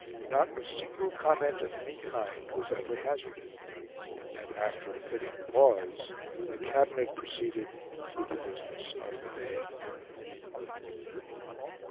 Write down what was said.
Not a single comment, of any kind, was ever hazarded; and, after a fitting pause, the Cabinet proceeded with the business of the day.